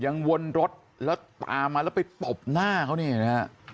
วนรถแล้วตามมาแล้วไปตบหน้าเขาเนี่ยนะฮะ